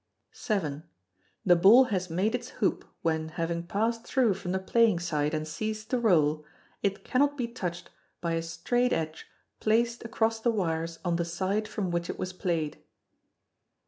vii. The ball has made its hoop when, having passed through from the playing side and ceased to roll, it cannot be touched by a straight edge placed across the wires on the side from which it was played.